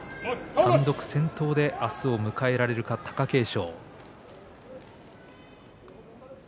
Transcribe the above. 単独先頭で明日を迎えられるか貴景勝。